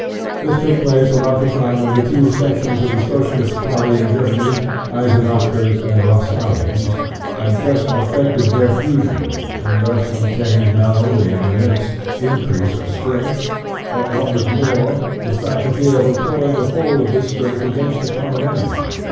This took place about the time when the two sections of the Socialist party in Germany Eisenachers and Lassallians had just effected their fusion, and thus obtained not only an im mense increase of strength, but, what was more, the faculty of employing the whole of this strength against the common enemy.